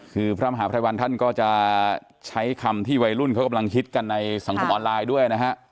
คือพระมหาภัยวันท่านก็จะใช้คำที่วัยรุ่นเขากำลังฮิตกันในสังคมออนไลน์ด้วยนะฮะ